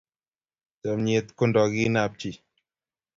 chamiet ko ndogin kap chii